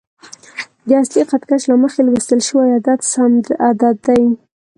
د اصلي خط کش له مخې لوستل شوی عدد سم عدد دی.